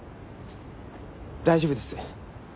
大丈夫です。